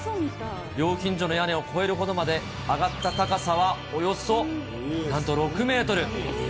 料金所の屋根を越えるほどまで上がった高さは、およそなんと６メートル。